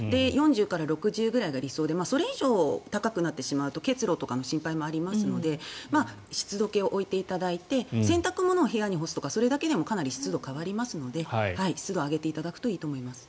４０から６０ぐらいが理想でそれ以上高くなってしまうと結露とかの心配もありますので湿度計を置いていただいて洗濯物を部屋に干すとかそれだけでもかなり湿度変わりますので湿度を上げていただくといいと思います。